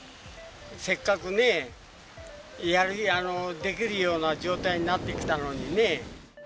せっかくね、できるような状態になってきたのにね。